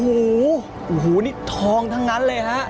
โอ้โหนี่ทองทั้งนั้นเลยฮะ